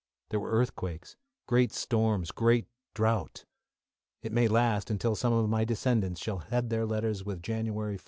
There were earthquakes, great storms, great drought. It may last until some of my descendants shall head their letters with January 1, 15,000, A.